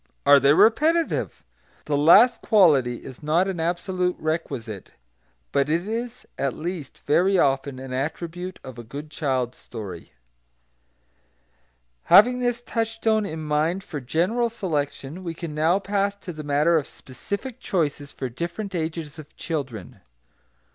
Are they repetitive? The last quality is not an absolute requisite; but it is at least very often an attribute of a good child story. Having this touchstone in mind for general selection, we can now pass to the matter of specific choices for different ages of children.